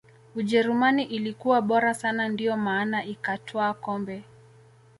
ujerumani ilikuwa bora sana ndiyo maana ikatwaa kombe